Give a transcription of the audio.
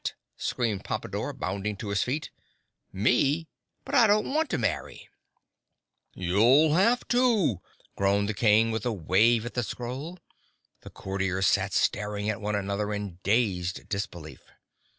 screamed Pompadore, bounding to his feet. "Me? But I don't want to marry!" "You'll have to," groaned the King, with a wave at the scroll. The Courtiers sat staring at one another in dazed disbelief.